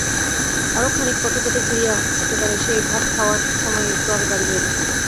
আরও খানিক পথে পথে ফিরিয়া একেবারে সেই ভাত খাওয়ার সময়ের একটু আগে বাড়ি যাইবে।